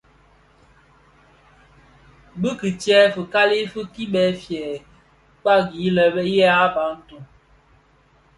Bi kitsèè fikali fi kibèè, fyè kpaghi lè bë ya Bantu (Bafia).